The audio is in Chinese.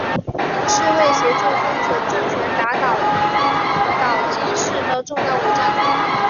是为协助丰臣政权打倒岛津氏的重要武将。